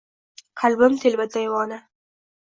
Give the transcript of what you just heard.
Qalbim telba-devona